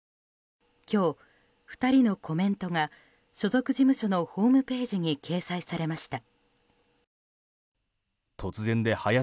今日、２人のコメントが所属事務所のホームページに掲載されました。